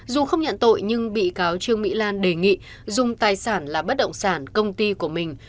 dù không nhận tội nhưng bị cáo trương mỹ lan đề nghị dùng tài sản là bất động sản công ty của mình